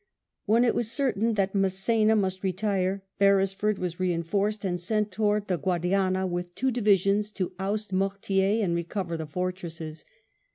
When it was certain that Mass^na must retire, Beresford was reinforced and sent towards the Guadiana with two divisions to oust Mortier and recover the fortresses.